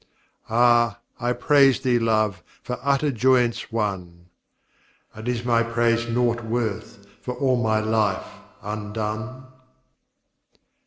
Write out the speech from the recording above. Ah! I praise thee, Love, for utter joyance won! "And is my praise nought worth for all my life undone?"